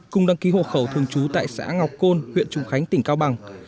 cùng đăng ký hộ khẩu thường trú tại xã ngọc côn huyện trùng khánh tỉnh cao bằng